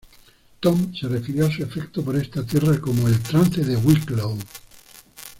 Tom se refirió a su afecto por esta tierra como el "trance de Wicklow".